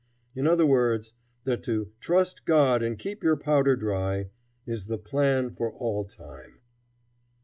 In other words, that to "trust God and keep your powder dry" is the plan for all time.